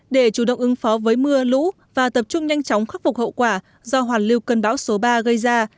để chủ động ứng phó với mưa lũ và tập trung nhanh chóng khắc phục hậu quả do hoàn lưu cơn bão số ba gây ra